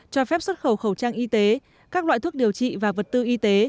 cho phép xuất khẩu khẩu trang y tế các loại thuốc điều trị và vật tư y tế